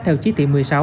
theo chí thị một mươi sáu